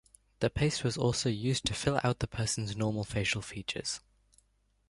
The paste was also used to fill out the person's normal facial features.